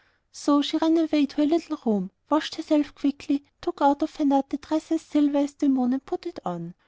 So she ran away to her little room, washed herself quickly, took out of the nut the dress as silver as the moon and put it on.